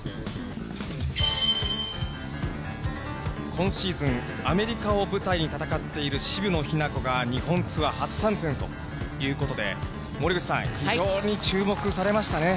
今シーズン、アメリカを舞台に戦っている渋野日向子が日本ツアー初参戦ということで、森口さん、非常に注目されましたね。